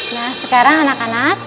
nah sekarang anak anak